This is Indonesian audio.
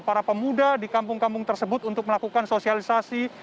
para pemuda di kampung kampung tersebut untuk melakukan sosialisasi